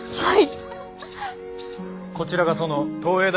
はい。